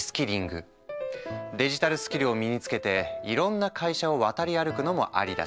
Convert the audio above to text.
デジタルスキルを身につけていろんな会社を渡り歩くのもありだし